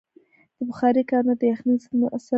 د بخارۍ کارونه د یخنۍ ضد مؤثره وسیله ده.